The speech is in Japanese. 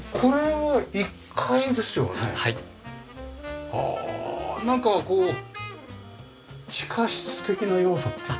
はあなんかこう地下室的な要素っていうか。